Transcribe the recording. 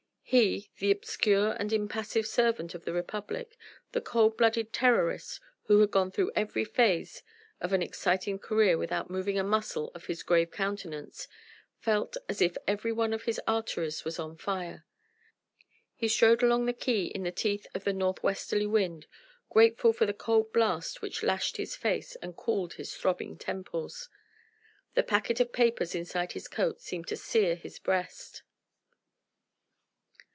He, the obscure and impassive servant of the Republic, the cold blooded Terrorist who had gone through every phrase of an exciting career without moving a muscle of his grave countenance, felt as if every one of his arteries was on fire. He strode along the quay in the teeth of the north westerly wind, grateful for the cold blast which lashed his face and cooled his throbbing temples. The packet of papers inside his coat seemed to sear his breast.